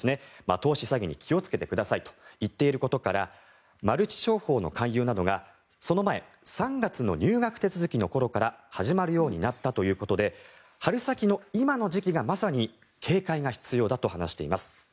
投資詐欺に気をつけてくださいと言っていることからマルチ商法の勧誘などがその前、３月の入学手続きの頃から始まるようになったということで春先の今の時期がまさに警戒が必要だと話しています。